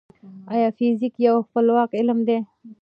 ايا فزيک يو خپلواک علم دی؟